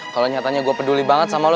kalau nyatanya gue peduli banget sama lo